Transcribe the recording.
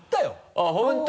あぁ本当？